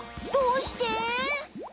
どうして？